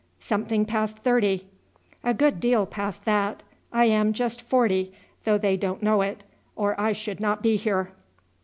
"Something past thirty." "A good deal past that. I am just forty, though they don't know it, or I should not be here."